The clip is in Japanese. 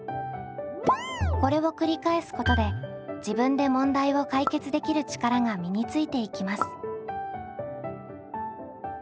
これを繰り返すことで自分で問題を解決できる力が身についていきます。